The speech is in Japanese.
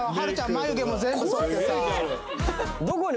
眉毛も全部そってさ・怖すぎ！